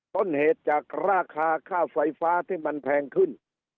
ต้นเหตุจากราคาค่าไฟฟ้าที่มันแพงขึ้น